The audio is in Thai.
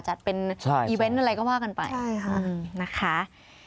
จัดเป็นอีเวนต์อะไรก็ว่ากันไปใช่ค่ะนะคะ